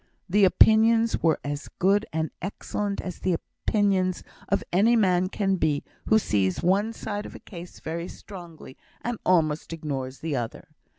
The opinions were as good and excellent as the opinions of any man can be who sees one side of a case very strongly, and almost ignores the other.